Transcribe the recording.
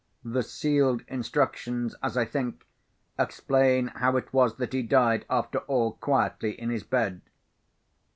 The sealed instructions, as I think, explain how it was that he died, after all, quietly in his bed.